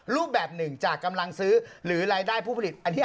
รูปแบบหนึ่งจากกำลังซื้อหรือรายได้ผู้ผลิตอันนี้